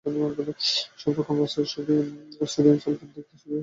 সব রকম অবস্থার সোডিয়াম সালফেট দেখতে সাদা রঙের কঠিন পদার্থ এবং জলে বেশ দ্রবণীয়।